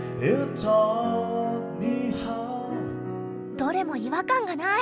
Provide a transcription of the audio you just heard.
どれも違和感がない！